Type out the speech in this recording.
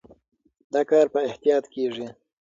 دا کار په احتیاط کېږي.